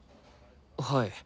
はい。